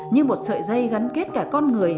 như một sợi dây gắn kết cả con người